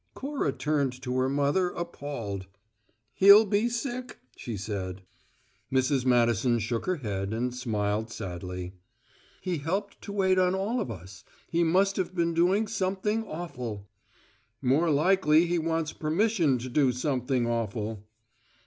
Cora turned to her mother, appalled. "He'll be sick!" she said. Mrs. Madison shook her head and smiled sadly. "He helped to wait on all of us: he must have been doing something awful." "More likely he wants permission to do something awful."